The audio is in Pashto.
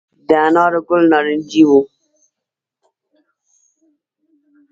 د انارو ګل نارنجي وي؟